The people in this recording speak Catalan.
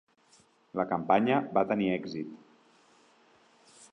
La campanya va tenir èxit.